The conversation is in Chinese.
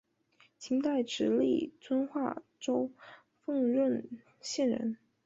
清代直隶遵化州丰润县人。